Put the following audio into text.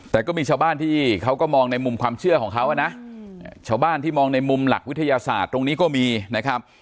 แต่ก็มีชาวบ้านที่เขาก็มองในมุมความเชื่อของเขานะชาวบ้านที่มองในมุมหลักวิทยาศาสตร์ตรงนี้ก็มีนะครับ